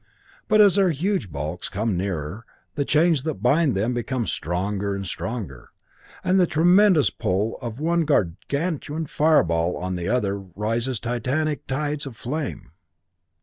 But as their huge bulks come nearer, the chains that bind them become stronger and stronger, and the tremendous pull of the one gargantuan fire ball on the other raises titanic tides of flame.